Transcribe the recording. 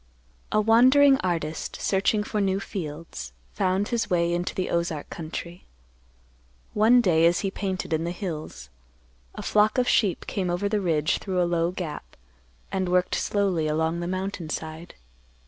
A wandering artist, searching for new fields, found his way into the Ozark country. One day, as he painted in the hills, a flock of sheep came over the ridge through a low gap, and worked slowly along the mountain side.